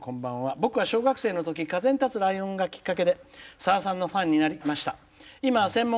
僕は小学生のとき「風に立つライオン」がきっかけでさださんのファンになりました。